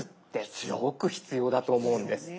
すごく必要だと思うんです。